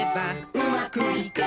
「うまくいく！」